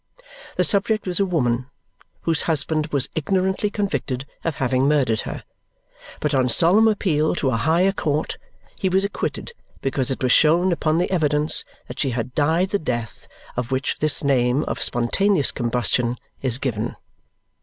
The subject was a woman, whose husband was ignorantly convicted of having murdered her; but on solemn appeal to a higher court, he was acquitted because it was shown upon the evidence that she had died the death of which this name of spontaneous combustion is given.